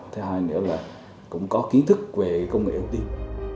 thứ hai nữa là cũng có kiến thức về công nghệ thông tin